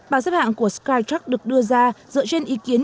bản xếp hạng của skytrucks được đưa ra dựa trên ý kiến